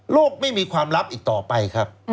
ไม่มีความลับอีกต่อไปครับ